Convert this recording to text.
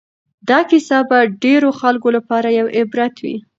دا کیسه به د ډېرو خلکو لپاره یو عبرت وي.